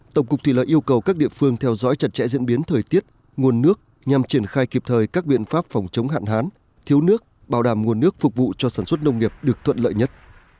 tổng cục thủy lợi yêu cầu các địa phương theo dõi chặt chẽ diễn biến thời tiết nguồn nước nhằm triển khai kịp thời các biện pháp phòng chống hạn hán thiếu nước bảo đảm nguồn nước phục vụ cho sản xuất nông nghiệp được thuận lợi nhất